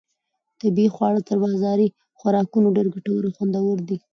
طبیعي خواړه تر بازاري خوراکونو ډېر ګټور او خوندور دي.